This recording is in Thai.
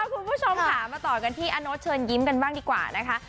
คุณผู้ชมค่ะมาต่อกันที่อาโน๊ตเชิญยิ้มกันบ้างดีกว่านะคะ